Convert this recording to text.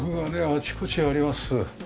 あちこちにあります。